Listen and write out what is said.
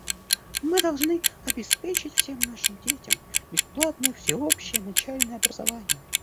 Мы должны обеспечить всем нашим детям бесплатное всеобщее начальное образование.